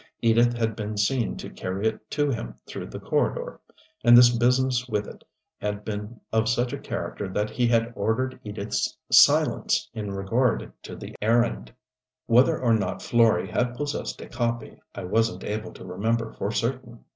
Edith had been seen to carry it to him through the corridor and this business with it had been of such a character that he had ordered Edith's silence in regard to the errand. Whether or not Florey had possessed a copy I wasn't able to remember for certain.